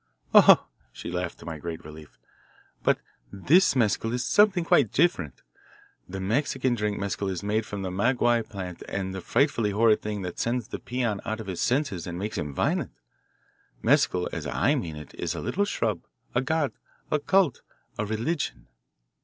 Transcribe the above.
"Oh," she laughed, to my great relief, "but this mescal is something quite different. The Mexican drink mescal is made from the maguey plant and is a frightfully horrid thing that sends the peon out of his senses and makes him violent. Mescal as I mean it is a little shrub, a god, a cult, a religion."